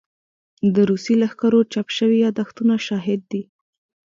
د روسي لښکرو چاپ شوي يادښتونه شاهد دي.